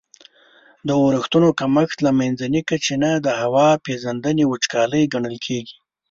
د اورښتونو کمښت له منځني کچي نه د هوا پیژندني وچکالي ګڼل کیږي.